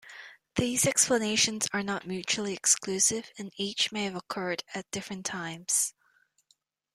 These explanations are not mutually exclusive and each may have occurred at different times.